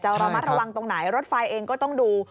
ระมัดระวังตรงไหนรถไฟเองก็ต้องดู